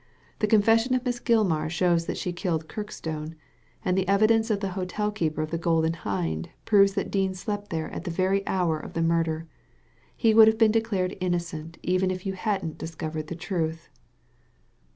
The confession of Miss Gilmar shows that she killed Kirkstone, and the evidence of the hotel keeper of the Golden Hind proves that Dean slept there at the very hour of the murder. He would have been declared innocent even if you hadn't discovered the truth."